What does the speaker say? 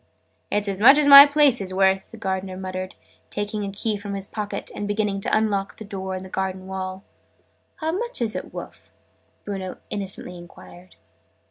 "It's as much as my place is worth!" the Gardener muttered, taking a key from his pocket, and beginning to unlock a door in the garden wall. "How much are it wurf?" Bruno innocently enquired.